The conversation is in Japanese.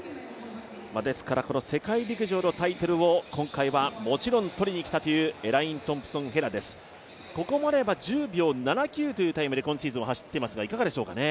ですから、この世界陸上のタイトルを今回はもちろん取りにきたというエライン・トンプソン・ヘラです、ここまでは１０秒７９というタイムで今シーズン走っていますが、いかがですかね。